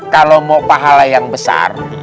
kalau mau pahala yang besar